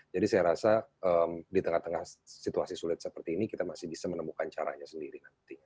jadi saya rasa di tengah tengah situasi sulit seperti ini kita masih bisa menemukan caranya sendiri